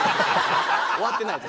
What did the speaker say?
終わってないです。